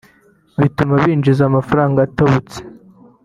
bituma binjiza amafaranga atubutse